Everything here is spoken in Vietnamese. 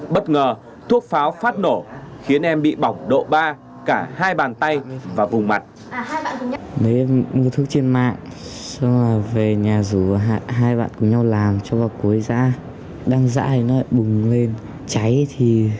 bất ngờ thuốc pháo phát nổ khiến em bị bỏng độ ba cả hai bàn tay và vùng mặt